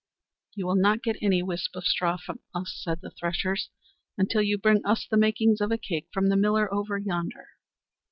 "You will not get any whisp of straw from us," said the threshers, "until you bring us the makings of a cake from the miller over yonder."